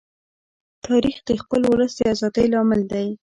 تاریخ د خپل ولس د ازادۍ لامل دی.